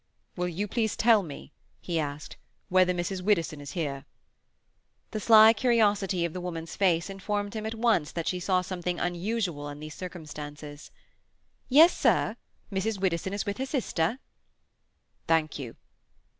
"Will you please to tell me," he asked "whether Mrs. Widdowson is here?" The sly curiosity of the woman's face informed him at once that she saw something unusual in these circumstances. "Yes, sir. Mrs. Widdowson is with her sister," "Thank you."